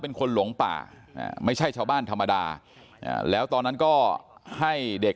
เป็นคนหลงป่าไม่ใช่ชาวบ้านธรรมดาแล้วตอนนั้นก็ให้เด็ก